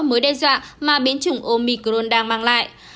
mối đe dọa mà biến chủng omicron đang mang lại